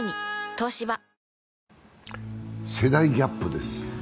東芝世代ギャップです。